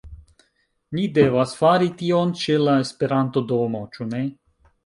Ni devas fari tion ĉe la Esperanto-domo, ĉu ne?